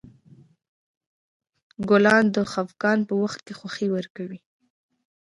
ګلان د خفګان په وخت خوښي ورکوي.